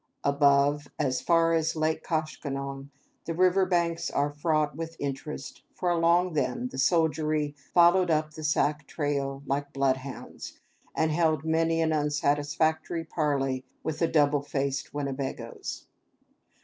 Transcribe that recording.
Above, as far as Lake Koshkonong, the river banks are fraught with interest; for along them the soldiery followed up the Sac trail, like bloodhounds, and held many an unsatisfactory parley with the double faced Winnebagoes.